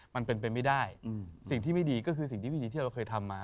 มันเป็นไปไม่ได้สิ่งที่ไม่ดีก็คือสิ่งที่ไม่ดีที่เราเคยทำมา